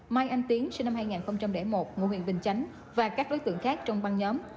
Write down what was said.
mai anh tiến sinh năm hai nghìn một ngụ huyện bình chánh và các đối tượng khác trong băng nhóm